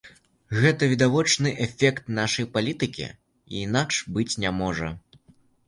Гэта відавочны эфект нашай палітыкі, і інакш быць не можа.